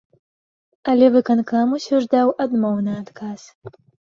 Але выканкам усё ж даў адмоўны адказ.